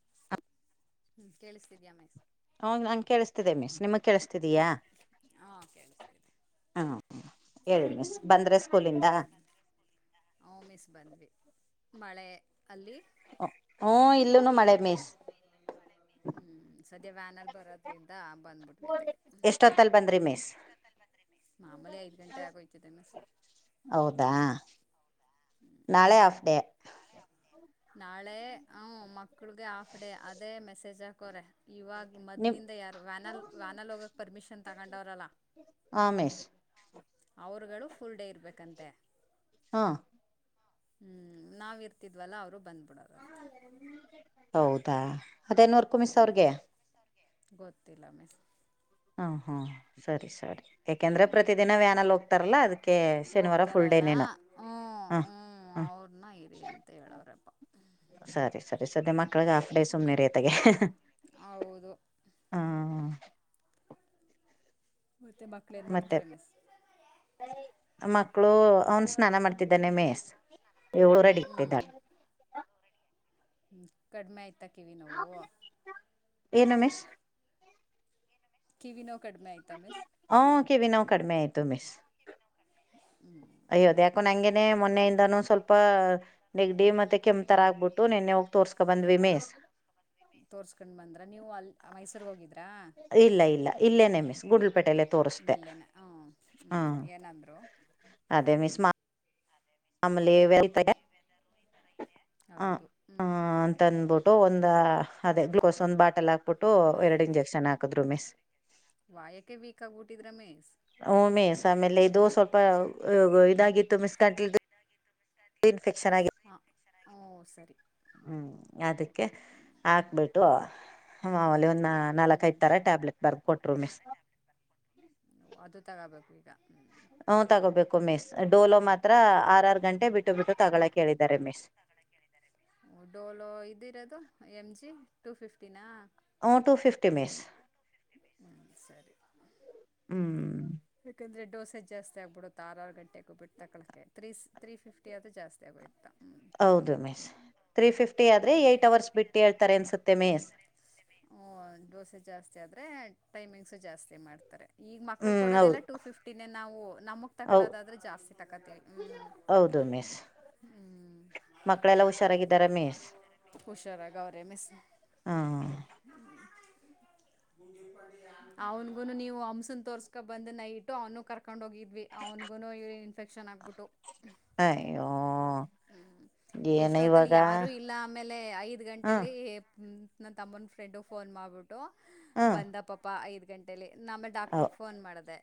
[inaudible] ಹ್ಮ್ ಕೇಳಿಸ್ತಿದೇ ಅಮೇ. ಹ ನಂಗ ಕೇಳಿಸ್ತಿದೆ ಮಿಸ್ ಮ. ಕೇಳಿಸತಿದಯ ಹಾಂ ಕೇಳಿಸ್ತಿದೆ ಹ್ಮ ಹೇಳ ಮೀಸ ಬಂದ್ರ ಹ್ಮ ಹ ಮಿಸ್ ಬಂದ್ವಿ ಮಳೆ. ಅಲ್ಲಿ ಹ ಹ್ಮ್ ಇಲ್ಲೂನು ಮಳೆ ಮೀಸ್. ವ್ಯಾನರ ಬರದ್ರಿಂದ. ಎಷ್ಟ ಹೊತ್ತಲ್ ಬಂದ್ರಿ ಮೀಸ. ಮಾಮೂಲಿ ಐದ್ ಗಂಟೆ ಆಗೋಯ್ತದೆ ಮೀಸ್. ಹೌದಾ ನಾಳೆ ಹಾಫ್ ಡೇ. ನಾಳೆ ಹ ಮಕ್ಳಗೆ ಹಾಫ್ ಡೇ ಅದೇ ಮೆಸೇಜ್ ಹಾಕೋರೆ. ಇವಾಗ ನಿಮ್ ಮೊದ್ಲಿಂದ ಯಾರು ವ್ಯಾನಲ್ ವ್ಯಾನಲ್ ಹೋಗಕ್ಕೆ ಪರ್ಮಿಷನ್ ತಗೊಂಡವ್ರಲ್ಲ. ಹಾ ಮಿಸ್ ಅವರಗಳು ಫುಲ್ ಡೇ ಇರ್ಬೇಕಂತೆ. ಹ ಹ್ಮ್ ನಾವ್ ಇರ್ತಿದ್ವಲ್ಲ ಅವರು ಬಂದ. ಹೌದಾ ಅದೇನೂರ್ಕೂ ಹ್ಞೂ ಸರಗೆ. [unintelligible] ಗೊತ್ತಿಲ್ಲ ಮಿಸ್ ಹಾ ಹಾ ಸರಿ ಸರಿ ಯಾಕೆಂದ್ರೆ ಪ್ರತಿದಿನ ವ್ಯಾನಲ್ಲಿ ಹೋಗ್ತಾರಲ್ಲ ಅದಕ್ಕೆ ಶನಿವಾರ ಫುಲ್ ಹೋಗ್ತಾರಲ್ಲ ಡೇನೇನು ಹಾಂ ಹಾ ಇನ್ನ ಇರಿ ಅಂತ ಹೇಳವ್ರಪ್ಪ. ಸರಿ ಸರಿ ಸದ್ಯ ಮಕ್ಳಗ್ ಹಾಫ್ ಡೇ ಸುಮ್ಮನೆ ರತೆಗೆ. ಹೌದು ಮತ್ತೆ ಮಕ್ಳು ಏನ್ ಮತ್ತೆ ಮಾಡ್ತಾರೆ ಮಿಸ್. ಮಕ್ಕಳು ಅವನು ಸ್ನಾನ ಮಾಡ್ತಿದ್ದಾನೆ ಮೀ ಸ್. ಎ ಊರು ಅಡಿ ಹ್ಮ್ ಎದ್ದೇಳು ಹ್ಮ್ ಕಡಿಮೆ ಆಯ್ತಾಕಿವಿ ನೋವು. ಏನು ಮೀಸ್. ಕಿವಿ ನೋವು ಕಡಿಮೆ ಆಯ್ತಾ ಮಿಸ್. ನ ಕಡಿಮೇ ಆಯ್ತು ಮಿಸ್ ಹ್ಮ್ ಆಯೋ ಮೊನ್ನೆಯಿಂದಾನ ಸ್ವಲ್ಪ ನೆಗಡಿ ಮತ್ತೆ ಕೆಂ ತರ ಹಾ ಆಗ್ಬಿಟ್ಟು ನಿನ್ನೆ ಹೋಗ. ತೋರ್ಸ್ಕೊ ಬಂದ್ವಿ ಮೀಸ್. ತೋರ್ಸ್ಕೊಂಡ್ ಬಂದ್ರ ನೀವು ಅಲ್ಲಿ ಮೈಸೂರ್ಗೆ ಹೋಗಿದ್ರಾ ಇಲ್ಲ ಇಲ್ಲ ಇಲ್ಲೇನೆ ಮಿಸ್ ಗು ಇಲ್ಲೇನೆ ಹ ಹ್ಮ್ ಏನಂದ್ರು. ಅದೇ ಮಿಸ ಮಾ ಆಮೇಲೆ ವೆಲ್ತಗೆ ಹೌದು ಹ್ಮ್. ಒಂದ್ ಅದೇ ಗ್ಲೂಕೋಸ್ ಒಂದ್ ಬಾಟಲ್ ಹಾಕ್ಬಿಟ್ಟು ಎರಡು ಇಂಜೆಕ್ಷನ್ ಹಾಕಿದ್ರು ಮಿಸ್. ವಾಯಕೆ ವೀಕ್ ಆಗ್ಬಿಟ್ಟಿದರ ಮೀಸ ಹ್ಮ ಮಿಸ್ ಆಮೇಲೆ ಇದು ಸ್ವಲ್ಪ ಇದಾಗಿತ್ತು ಮಿಸ್ ಕಟ್ರಿ ಇನ್ಫೆಕ್ಷನ್ ಆಗಿವೆ ಹ ಓ ಸರಿ. ಹ್ಮ್ ಯಾದೀ ಓಕೆ ಹಾಕ್ಬಿಟ್ಟು ಹ್ಮ್ ಮಾಮೂಲಿ ಒಂದು ಹ್ಮ್ ನಾಲ್ಕೈದು ತರ ಟ್ಯಾಬ್ಲೆಟ್ ಬರ್ದು ಕೊಟ್ರು ಮಿಸ್. ಅದು ತಗೋಬೇಕ ಈಗ. ಹ್ಮ್ ಹ ತಗೋಬೇಕು ಮಿಸ್ ಡೋಲೋ ಮಾತ್ರ ಆರ ಆರ ಗಂಟೆ ಬಿಟ್ಟು ಬಿಟ್ಟು ತಗೊಳಕೇಳಿದ್ದಾರೆ ಮಿಸ್. ಡೋಲೋ ಇದಿರೋದು ಎಂಜಿ ಟು ಫಿಫ್ಟಿನಾ. ಹ ಟು ಫಿಫ್ಟಿ ಮಿಸ್ ಹ್ಞೂ ಹ್ಮ. ಯಾಕಂದ್ರೆ ಡೋಸೆಜ್ ಜಾಸ್ತಿ ಆಗ್ಬಿಡ ಆರ ಆರ ಗಂಟೆಗೆ ಹೋಗಬಿಟ್ಟ ತಕ ತ್ರೀ ಫಿಫ್ಟಿ ಅದು ಜಾಸ್ತಿ ಆಗಿಬಿಡ್ತದ್ದ. ವಯತ ಹೌದು ಮೀಸ್ ತ್ರೀ ಫಿಫ್ಟಿ ಆದ್ರೆ ಏಟ್ ಅವರ್ಸ್ ಬಿಟ್ಟು ಹೇಳ್ತಾರೆ ಅನ್ಸುತ್ತೆ ಮೀಸ್. ಓ ದೋಸೆ ಜಾಸ್ತಿ ಆದ್ರೆ ಟೈಮಿಂಗ್ಸು ಜಾಸ್ತಿ ಮಾಡ್ತಾರೆ. ಈಗ ಮಕ್ಳ ಹ್ಮ್ ಹೌದು ಕೊಡೋದೆಲ್ಲಾ ಟೂ ಫಿಫ್ಟಿ ನೇ ನಾವು ನಮಗ್ ಹೌ ತಕಳೋದಾದ್ರೆ ಜಾಸ್ತಿ ತಕತಿವಿ ಹ್ಮ್. ಹೌದು ಮೀಸ್ ಮಕ್ಕಳೆಲ್ಲ ಹುಷಾರಾಗಿದ್ದಾರ ಮೀಸ್. ಚೆನ್ನಾಗೌರೇ ಮಿಸ. ಹ್ಹಾ. ಅವನ್ಗುನು ನೀವು ಹಂಸನ್ ತೊರ್ಸ್ಕೋ ಬಂದು ನೈಟ್ಟು ಅವನು ಕರ್ಕ್ ಕೊಂಡ್ ಹೋಗಿದ್ವಿ ಅವ್ನುಗುನು ಯೂರಿನ್ ಇನ್ಫೆಕ್ಷನ್ ಆಗ್ಬಿಟ್ಟು. ಹೂ ಅಯ್ಯೋ. ಹ್ಮ್ ಏನ ಇಸ್ಟ ಹೊತ್ತಲ್ಲಿ ಇವಾಗ ಯಾರು ಇಲ್ಲ ಆಮೇಲೆ ಐದ್ ಹ್ಮ್ ಗಂಟೆಲಿ. ನನ್ನ ತಮ್ಮನ ಫ್ರೆಂಡು ಫೋನ್ ಮಾಡಿಬಿಟ್ಟು ಹ್ಮ್ ಬಂದ ಪಾಪ ಐದ ಗಂಟೇಲಿ. ನ ಮೇಲೆ ಹ್ಮ್ ಡಾಕ್ಟ್ರಗೆ ಫೋನ್ ಮಾಡ್ದೇ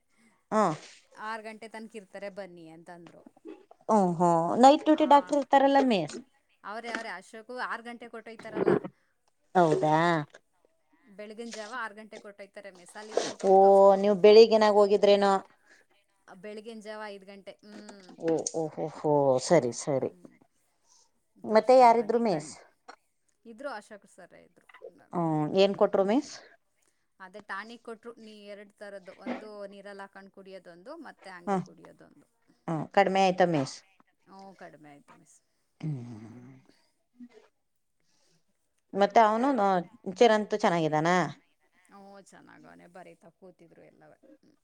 ಆರು ಗಂಟೆ ತನಕ ಇರ್ತಾರೆ ಬನ್ನಿ ಅಂತ ಹೂ ಹೂ ಹ್ಹಾ ಅವ್ರೇ ಅವ್ರೆ ಅಶೋಕ ಆರ್ ಗಂಟೆಗೆ ಹೋಟ್ಟೋಯ್ತಾರಲ್ಲ. ಹೌದಾ. ಬೆಳಗಿನ ಜಾವ ಆರ್ ಗಂಟೆಗೆ ಹೊಟ್ಟೊಯ್ತಾರೆ ಮೆಸಾಲಿ ತನ್ಕ ಓ ಹೋಗಿ ತೋರ್ಸ್ಕೊಕೊಂಡು ನೀವು ಬರ್ಬೇಕು. ಬೆಳಿಗ್ಗೆನಾಗ ಹೋಗಿದ್ರೇನೋ ಬೆಳಿಗ್ಗಿನ ಜಾವ ಐದ್ ಗಂಟೆ. ಹ್ಮ್ ಓ ಓ ಹೋ ಸರಿ ಸರಿ. ಹ್ಮ್ ಮತ್ತೆ ತೋರ್ಸ್ಕೊಂಡ್ ಬಂದು ಯಾರಿದ್ರು ಈ ಕಡೆ ಮಿಸ್. ಇದ್ರು ಅಶೋಕ ಸರೆ ಹ್ಮ ಏನ್ ಕೊಟ್ರು ಮೀಸ್. ಅದೇ ಟಾಣಿಕ ಕೊಟ್ಟರು ನೀ ಎರಡ್ ತರದ್ದು ಒಂದು ನೀರಲ್ಲಿ ಹಾಕೊಂಡ್ ಕುಡಿಯೋದ ಒಂದು ಮತ್ತೆ. ಹ್ಮ ಹಂಗೆ ಕುಡಿಯೋದೊಂದು ಹ್ಮ ಕಡಿಮೆ ಆಯ್ತ ಮಿಸ್. ಹ್ಹು ಕಡಿಮೆ ಆಯ್ತು ಮಿಸ್. [inaudible] ಮತ್ತೆ ಅವನು ಚಿರಂತು ಚೆನ್ನಾಗಿದ್ದಾನ. ಹೂ ಚೆನ್ನಾಗವನೆ ಬರೀತ ಕೂತಿದ್ರು ಎಲ್ಲ.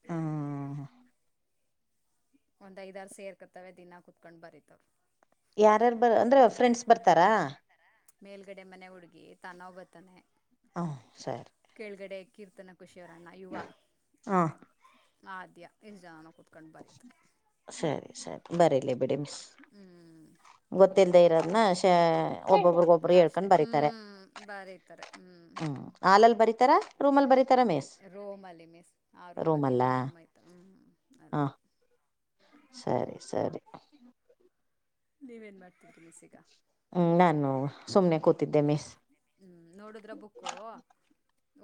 ಹ್ಮ. ಒಂದ್ ಐದಾರು ಸೇರ್ಕತವೆ ದಿನಾ ಕುತ್ಕೊಂಡ್ ಬರೀತವೆ. ಯಾರಾರ್ ಬರ್ ಅಂದ್ರೆ ಫ್ರೆಂಡ್ಸ್ ಬರ್ತಾರಾ. ಮೇಲ್ಗಡೆ ಮನೆ ಹುಡುಗಿ ತನವ ಬರ್ತಾನೆ. ಹ್ಹ್ ಸರಿ. ಕೀರ್ತನ ಖುಷಿಯವರಣ್ಣಾ ಯುವ ಹ ಆದ್ಯ ಇಷ್ಟ [unintelligible] ಸರಿ ಸರಿ ಬರಿಲಿ ಬಿಡಿ ಮಾಮ್ ಹ್ಮ್ ಗೊತ್ತಿಲ್ಲದ ಇರೋದ್ನ ವಿಷ್ಯ ಒಬ್ಬೊಬ್ರಗೊಬ್ರು ಅಷ್ಟೇ ಹೇಳ್ಕೊಂಡ್ ಹ್ಞೂ ಬರಿತಾರೆ ಬರೀತಾರೆ ಹ್ಞೂ ಹ್ಮ್ ಹಾಲಲ್ಲಿ ಬರಿತ ತರ ರೂಮ ಅಲ್ಲಿ ಬರಿತ್ ರೂಮಲ್ಲಿ ಮಿಸ್ ಆ ರೂಮಲ್ಲಿ ರೂಮಲ್ಲ ಇನ್ನೊಂದು ರೂಮಲ್ಲಿ ಆಯ್ತ ಹ್ ಹ ಅ ಸರಿ ಸರಿ ನೀವೇನ್ ಮಾಡ್ತಿದ್ರಿ ಮಿಸ್ ಈಗ. ಹ್ಮ್ ನಾನು ಸುಮ್ನೆ ಕೂತಿದ್ದೆ ಮಿಸ್. ಹ್ಮ್ ನೋಡುದ್ರ ಬುಕ್ಕು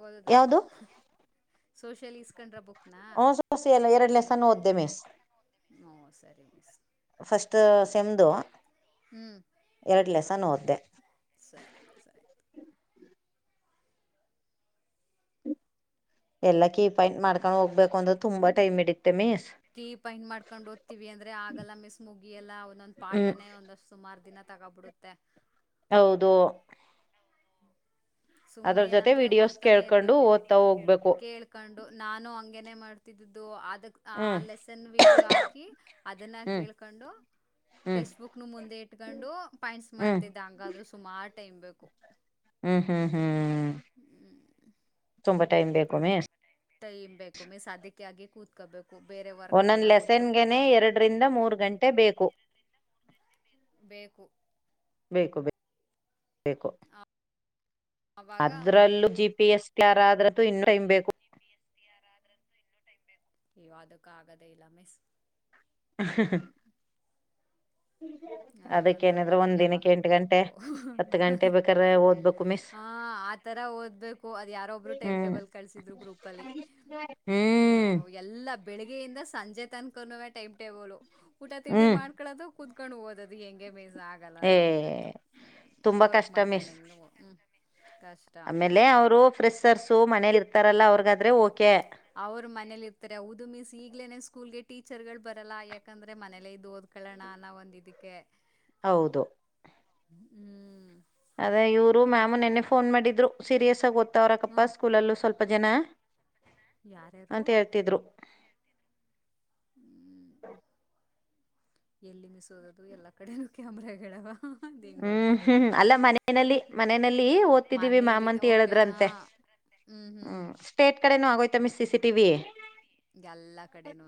ಓದೀದ್ರ. ಯಾವ್ದು ಸೋಷಿಯಲ್ ಇಸ್ಕೊಂಡ್ರ ಬುಕ್. ಹ [unintelligible] ಎಲ್ಲ ಎರಡ್ ಲೆಸೆನ್ ಓದ್ದೆ ಮಿಸ್. ಹ್ಮ ಸರಿ ಮಿಸ್. ಫಸ್ಟ್ ಶೆಮ್ದು ಹ್ಮ್ ಎರಡ್ ಲೇಸನ ಒದ್ದೆ. ಸರಿ ಸರಿ. ಎಲ್ಲ ಕೀ ಪಾಯಿಂಟ್ ಮಾಡ್ಕೊಂಡ್ ಹೋಗ್ಬೇಕು ಅಂದ್ರೆ ತುಂಬಾ ಟೈಮ್ ಇಡಿಯುತ್ತೆ. ಕೀ ಪಾಯಿಂಟ್ ಮಾಡ್ಕೊಂಡು ಓದ್ತಿವಿ ಅಂದ್ರೆ ಆಗಲ್ಲ ಮಿಸ್ ಮುಗಿಯಲ್ಲಾ ಒಂದೊಂದ್ ಹ್ಮ್ ಪಾಟನೆ ಒಂದಷ್ಟ ಸುಮಾರ ದಿನ ತಗ ತಗೊಂಡು ಬಿಡುತ್ತೆ. ಹೌದು ಸುಮ್ನೆ ಅದ್ರ ಜೊತೆ ಏನಂದ್ರೆ ವಿಡಿಯೋಸ್ ಓದ್ತಾನೆ ಕೇಳ್ಕೊಂಡು ಇರ್ಬೇಕು ಓದ್ತಾ ಹೋಗ್ಬೇಕು ಕೇಳ್ಕೊಂಡು ನಾನು ಹ ನೆ ಮಾಡ್ತಿದ್ದು ಅಗ್ ಆ ಹ್ಮ್ ಲೆಸನ್ [unintelligible] [inaudible] ವೀಡಿಯೋ ಹಾಕಿ ಅದನ್ನ ಹ್ಮ್ ಕೇಳ್ಕೊಂಡು ಹ್ಮ್ ಟೆಸ್ಟ್ ಬುಕ್ ನ ಮುಂದೆ ಇಟ್ಕೊಂಡು ಪಾಯಿಂಟ್ಸ್ ಹ್ಮ್ ಮಾಡ್ತಿದ್ದ ಹಂಗಾದ್ರು ಸುಮಾರು ಟೈಮ್ ಬೇಕು ಹ್ಮ್- ಹ್ಮ್- ಹ್ಮ್- ಹ್ಮ್ ತುಂಬಾ ಟೈಮ್ ಬೇಕೊ ಮಿಸ್ ೈ್ೇ [unintelligible] [inaudible] ಕು ಮೇ ಸಾ ಅಧ್ಯ್ಯಕ್ಕೆ ಆಗಿ ಕೂತ್ಕೋಬೇಕು ಬೇರೆ ವರ್ಕ್ನೆಲ್ಲ ಒಂದೊಂದು ಬಿಟ್ಟು ಲೆಸನ್ಗೆನೆ ಎರಡರಿಂದ ಮೂರು ಗಂಟೆ ಬೇಕು. ಬೇಕು ಬು- ಆವಾಗ ಅದ್ರಲ್ಲೂ ಜಿ ಪಿ ಎಸ್. ಯಾರಾದ್ರ್ದು ಇನ್ನು ಟೈಮ್ ಬೇಕು. ಅದುಕ್ಕ ಆಗದೇ ಇಲ್ಲ ಮಿಸ್. ಹ ಹ್ಮ [inaudible] ಅದಕ್ಕ ಏನಾದ್ರೆ ಒಂದ್ ದಿನಕ್ಕೆ ಎಂಟು ಗಂಟೆ ಹತ್ತು ಗಂಟೆ ಬೇಕಾದ್ರೆ ಓದ್ಬೇಕು ಮಿಸ್. ತರ ಓದ್ಬೇಕು ಅದು ಯಾರೊಬ್ರು ಟೈಮ್ ಹ್ಮ್ ಟೇಬಲ್ ಕಳಿಸಿದ್ರು ಗ್ರೂಪ್ ಅಲ್ಲಿ ಹ್ಮ ಹ್ಮ್ ಎಲ್ಲ ಬೆಳಿಗ್ಗೆ ದ ಸಂಜೆ ತನ್ಕವ ಟೈಮ್ ಟೇಬಲ್ ಊಟ ತಿಂಡಿ ಹ್ಮ್ ಮಾಡ್ಕೊಳ್ಳೋದು ಕ ಕುತ್ಕೊಂಡು ಹದ. ದು ಹೆಂಗೆ ಮೀಸ್ ಆಗಲ್ಲ ಏ ನಮ್ಗಂತೂ ಹ ತುಂಬಾ ವರ್ಕ್ ಕಷ್ಟ ಮಾಡ್ಕೊಂಡ್ ಮಿಸ್ ಹೆಂಗ್ -ಹ್ಮ- ಆಮೇಲೆ ಅವರು ಫ್ರೆ್ಸರ್ಸು ಮನೇಲಿ ಇರ್ತಾರಲ್ಲ ಅವ್ರಗಾದ್ರೆ ಓಕೆ. ಅವ್ರ ಮನೇಲಿ ಇರ್ತಾರೆ ಹೌದು ಮಿಸ್ ಈಗ್ಲೇನೆ ಸ್ಕೂಲ್ಗೆ ಟೀಚರ್ ಗಳು ಬರಲ್ಲ ಯಾಕಂದ್ರೆ ಮನೇಲೆ ಇದದು ಹೋದ್. ಕಳೋಣ ಅನ್ನ ಒಂದ ಇದಕ್ಕೆ. ಹೌದು ಹ್ಮ್ ಅದೇ ಇವ್ರು ಮ್ಯಾಮು ನೆನ್ನೆ ಫೋನ್ ಮಾಡಿದ್ರು ಸೀರಿಯಸ್ ಆಗ ಹ್ಮ ಓದತ್ತಾವರಕಪ್ಪಾ ಸ್ಕೂಲಲ್ಲೂ ಸ್ವಲ್ಪ- ಅಪ್ಪ ಜನ ಯಾರ್ಯಾರು ಅಂತ ಹೇಳ್ತಿದ್ರು. ಹ್ಮ್ ಎಲ್ಲಿ ಮಿಸೋದದು ಎಲ್ಲಾ ಕಡೆನೂ ಕ್ಯಾಮರಾಗಡಾವ [unintelligible] ಹ್ಮ್- ಹ್ಮ್- ಅಲ್ಲ ಮನೆಯಲ್ಲಿ ಮನೆಯಲ್ಲಿ ಓದ್ತಿದ್ದೀವಿ ಮನೇಲಿ ಮಾಮಂತ ಓಕೆ ಹ ಹೇಳದ್ರಂತೆ. ಹ್ಮ್ -ಸ್ಟೇಟ್ ಕಡೆನೂ ಆಗೋಯ್ತ ಮ ಸಿ- ಸಿ ಟಿವ ಎಲ್ಲಾ ಕಡೆನ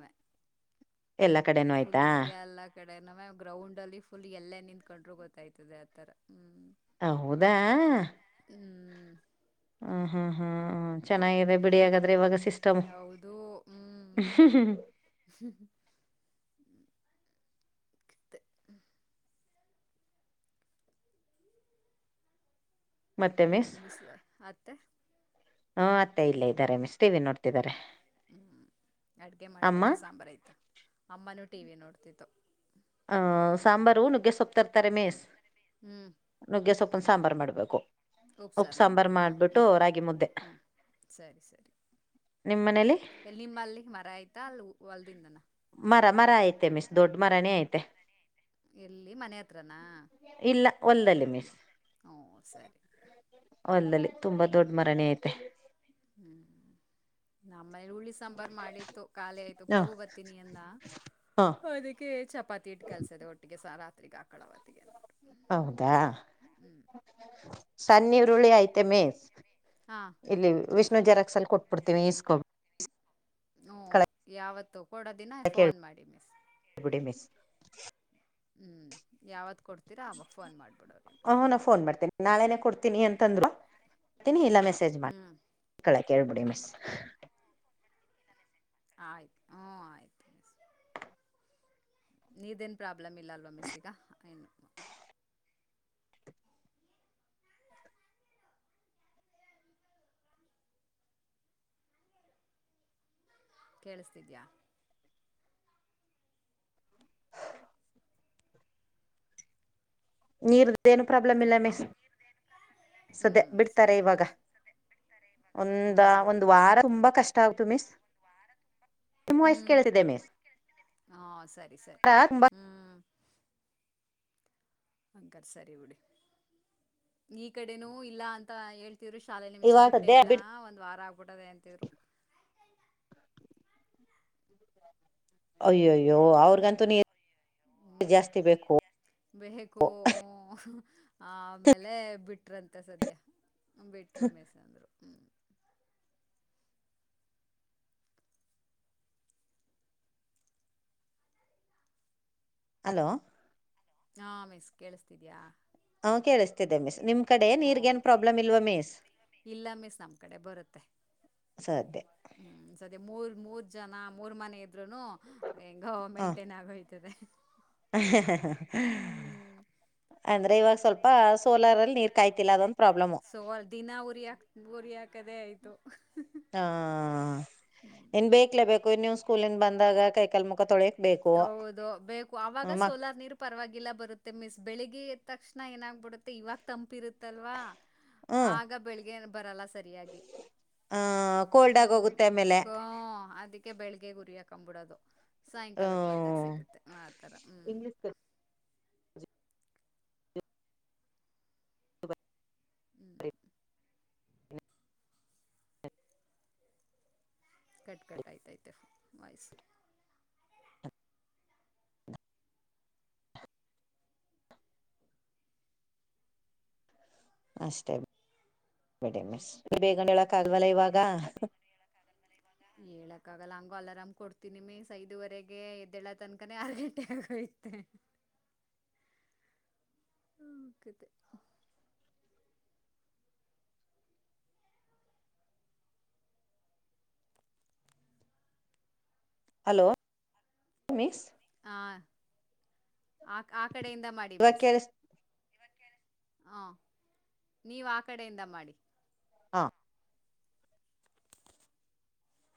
ಎಲ್ಲಾ ಕಡೆನೂ ಫುಲ್ ಆಯ್ತಾ ಎಲ್ಲಾ ಕಡೆ ನ ಗ್ರೌಂಡ್ ಅಲ್ಲಿ ಫುಲ್ ಎಲ್ಲ ನಿಂತ. ಕಂಡ್ರೆ ಗೊತ್ತಾಯ್ತದೆ ಆತರ ಹ್ಮ್ ಹೌದಾ ಹ್ಮ್ ಹ - ಹಾ- [unintelligible] ಹ ಚೆನ್ನಾಗಿದೆ ಬಿಡಿಯಗಾದ್ರೆ ಇವಾಗ ಸಿಸ್ಟಮ್ ತ್ತ [inaudible] [inaudible] ಮತ್ತೆ ನನು ಮಿಸ್ ಮತ್ತೆ ಹುಂ -ಅತ್ತೆ ಇಲ್ಲೇ ಇದ್ದಾರೆ ಮಿಸ ಹ್ಮ್ ಹ್ಮ್ ಅಡ್ಗೆ ಅಮ್ಮ ಮಾಡ್ಬೇಕಾ ಸಾಂಬಾರ ಆಯ್ತ ಅಮ್ಮ ನೂ ಟಿವಿ ನೋಡ್ತಿದ್ದತ್ತು. ಹಹ ಸಾಂಬಾರು ನುಗ್ಗೆಸೊಪ್ಪತರ್ತಾರೆ ಮೇಸ್ ಹ್ಞೂ ನುಗ್ಗೆಸೊಪ್ಪ ಸಾಂಬಾರ್ ಮಾಡಬೇಕು. ಉಪ ಸಾರ ಮಾ ಬಿಡದಾ ಹ್ಮ್- ಮುದ್ದೆ ಹ್ಮ್ ಸರಿ ಸರಿ ನಿಮ್ ಮನೇಲಿ ಎಲ್ಲಿ ನಿಮ್ಮಲ್ಲಿಗೆ ಮರ ಆಯ್ತಾ ಅಲ್ಲಿ ಹೊಲ್ದಿಂದನ. ಮರ ಮರ ಐತೆ ಮಿಸ್ ದೊಡ್ಡ ಮರನೇ ಐತೆ. ಎಲ್ಲಿ ಮನೆ ಹತ್ರನಾ‌. ಒಲ್ಲಲ್ಲಿ ಮಿಸ್ ಸರಿ ಒಲ್ಲಲ್ಲಿ ತುಂಬಾ ದೊಡ್ಡ ದ ಮರನೇ ಐತೆ ಹ್ಮ್ -ನಮ್ಮ ಆಮೇಲೆ ಉರುಳ್ಳಿ ಸಾಂಬಾರ್ ಮಾಡಿತ್ತು ಕಾಲೆ ಆಯ್ತು ಹ ಪ್ರಭು ಬತಿನಿಯನ್ನ ಹ ಅದಕ್ಕೆ ಚ ಪತ್ತ ಇಟ್ಟು ಕಲಸಿದೆ ಒಟ್ಟಿಗೆ ಸ ರಾತ್ರಿ ಆಕಳ ಅವತ್ತಗೆ ಅತಿಗೆ ಹೌದಾ ಸನ್ನ ಇರುಳ್ಳಿ ಐತೆ ಮಿಸ್ ಹಾಂ ಇಲ್ಲಿ ವಿಷ ಜೆರಕ್ಸ್ ಅಲ್ಲಿ ಕೊಟ್ಬಿಡ್ತೀನಿ ಈಸ್ಕೋ ಹ್ಮ ಯಾವತ್ತು ಕೊಡೋ ದಿನ ಕಳಕ್ಕೆ ಫೋನ್ ಮಾಡಿ ಮಿಸ್ ಹೇಳ್ಬಿಡಿ [inaudible] ಹ್ಮ್ ಯಾವತ್ ಕೊಡ್ತ [inaudible] ಹ ನಾ ಫೋನ್ ಮಾಡ್ತೇನೆ ನಾಳೆನೆ ಕೊಡ್ತೀನಿ ಅಂತಂದ್ವಾ [inaudible] ಕೊತೀನಿ ಇಲ್ಲ ಮೆ [inaudible] ಮೆಸೇಜ್ ಹ್ಮ್ [inaudible] ಕೇಳ್ಬಿಡಿ ಮಿಸ್ ಆಯ್ತು ಹ್ಮ ಆಯ್ತು ನೀದೇನ್ ಪ್ರಾಬ್ಲಮ್ ಇಲ್ಲ ಅಲ್ವಾ ಮಿಸ್ ಇಗ ಏನು ಕೇಳಿಸ್ತಿದಿಯ ನೀರ್ದು ಏನು ಪ್ರಾಬ್ಲಮ್ ಇಲ್ಲ ಹಲೋ ಮಿಸ್ ಹ್ಞೂ ಸದ್ಯ ಬಿಡ್ತಾರೆ ಸರಿ ಇವಾಗ ಮಿಸ್ ಹ್ಞೂ ಒಂದ ಒಂದ್ ವಾರ ತುಂಬಾ ಕಷ್ಟ [inaudible] [inaudible] ಮಿಸ್ ನಿಮ್ ವಾಯ್ಸ್ ಹ್ಮ್ ಕೇಳ್ತಿದೆ ಮಿಸ್ ಹ ಸರಿ ಸರಿ ತುಂಬಾ ಹ್ಮ್ ಅಂಕಲ್ ಸರಿ ಬಿಡಿ ಈ ಕಡೆನೂ ಇಲ್ಲ ಅಂತ ಹೇಳ್ ಶಾಲೆಲಿ ಮಿಸ್ ಇವಾಗ ಬಿಟ್ಟೇ ಸದ್ಯ ಇಲ್ಲ ಬಿಡ್ ಒಂದ್ ವಾರ ಆಗ್ಬಿಟ್ಟದೆ ಅಂತಿದ್ರು ಅಯ್ಯಯ್ಯೋ ಅವ್ರಿಗಂತೂ ನೀ ಹ್ಮ ಬೇಕೂ ಹು ಆಮೇಲೆ ಬಿಟ್ರಂತೆ ಸದ್ಯ ಬಿಟ್ರು ಮಿಸೆಂದ್ರು ಹ್ಮ್ ಹಲೋ ಹಾ ಮಿಸ್ ಕೇಳಿಸ್ತಿದ್ಯಾ ಹ ಕೇಳಿಸ್ತಿದೆ ಮಿಸ್ ನಿಮ ಕಡೆ ನೀರ್ಗೆ ಹ್ಮ್ ಏನ್ ಪ್ರಾಬ್ಲಮ್ ಇಲ್ವಾ ಮಿಸ್ ಇಲ್ಲ ಮಿಸ್ ನಮ್ ಕಡೆ ಬರುತ್ತೆ ಸಧ್ಯ ಅ ಮೂರ್ ಮೂರ್ ಜನ ಮೂರ್ ಮನೆ ಇದ್ರುನು ಹೆಂಗ ಮೈಂಟೈನ್ ಆಗೋಯ್ತದೆ ಅ ಹ್ಮ್ [inaudible] ಅ ಇವಾಗ ಸ್ವಲ್ಪ ಸೋಲರ್ ಅಲ್ಲಿ ನೀರ್ ಕಾಯ್ತಿಲ್ಲ ಅದಂತ ಸೋಲ್ ದಿನ ಉರಿಯಾಕ್ ಉರಿಯಕ್ ಹಾ ನ್ ಬಕ್ಲೇ ಬೇಕು ನೀವು ಸ್ಕೂಲ್ಿಂದ ಬಂದಾಗ ಕೈಕಲ್ ಮುಖ ತೊಳಿಯಾಕೆ ಹೌದು ಬೇಕು ಅವಾಗ ಸೋಲಾರ್ ನೀರ್ ಪರವಾಗಿಲ್ಲ ಬರುತ್ತೆ ಮಿಸ್ ಬೆಳಿಗ್ಗೆ ತಕ್ಷಣ ಏನಾಗ್ಬಿಡುತ್ತೆ ಇವಾಗ ತಂಪಿರುತ್ತಲ್ವಾ ಹ್ಮ್ ಆಗ ಬೆಳಿಗ್ಗೆ ಬರಲ್ಲ ಸರಿಯಾಗಿ ಆ ಕೋಲ್ಡ್ ಆಗ ಹ್ಮ ಹೋಗುತ್ತೆ ಆಮೇಲೆ ಗ ಅದಕ್ಕೆ ಬೆಳಿಗ್ಗೆ ಗುರಿಯ ಕ್ಬಿಡದು ಸಾಯಂಕಾಲಕ್ಕೆ ಬಂದಾಗ ಹ್ಮ ಸಿಗುತ್ತೆ ಆತರ ಹ್ಮ್ ಇಂಗ್ಲಿಷ್ ಹ್ಮ್ ಕಟ್ ಕಟ್ ಆಯ್ತೈತೆ ವಾಯ್ಸ್ ಅಷ್ಟೇ ಬಿಡಿ ಮಿಸ್ ಬೇಗಣ ಹೇಳಕ್ ಹ್ಮ್ ಆಲ್ವಲ್ಲ ಇವಾಗ [inaudible] ಹೇಳಕ್ಕ ಆಗಲ್ಲ ಹಂಗು ಅಲಾರಾಮ್ ಕೊಡ್ತೀನಿ ಮಿಸ್ ಐದುವರೆಗೆ ಎದ್ದೆಳ ತನ್ಕನೇ ಆರ್ ಗಂಟೆ ಆಗಯ್ ಹ [inaudible] ಹ್ಮಕ [inaudible] ಹಲೋ ಮಿಸ್ ಹಾ ಆ ಕಡೆಯಿಂದ ಮಾಡಿ ಇವಾಗ ಮಿಸ್ ಕೇಳಿಸ್ ಹ ನೀವ್ ಆ ಕಡೆಯಿಂದ ಮಾಡಿ ಹಾ